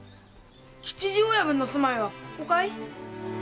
吉次親分の住まいはここかい？